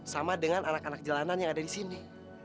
sama dengan anak anak jalanan yang ada di sini